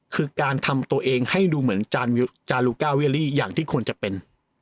คือการทำตัวเองให้ดูเหมือนจาลูก้าเวียรี่อย่างที่ควรจะเป็น